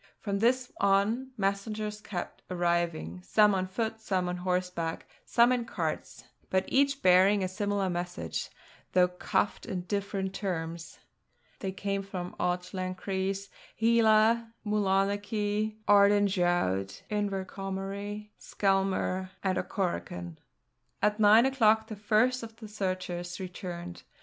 From this on, messengers kept arriving, some on foot, some on horseback, some in carts: but each bearing a similar message, though couched in different terms. They came from Auchlenchries, Heila, Mulonachie, Ardendraught, Inverquohomery, Skelmuir, and Auchorachan. At nine o'clock the first of the searchers returned.